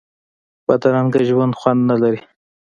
بدرنګه ژوند خوند نه لري